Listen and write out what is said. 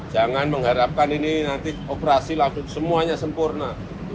jangan mengharapkan ini nanti operasi semuanya sempurna